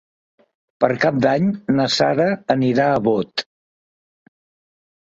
Per Cap d'Any na Sara anirà a Bot.